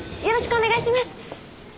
よろしくお願いします。